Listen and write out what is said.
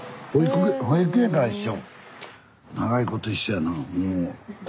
保育園から一緒？